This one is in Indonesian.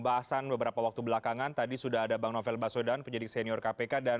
dan kami juga masih menunggu bergabungnya bu yasyafima arief untuk juga membahas soal polemik twk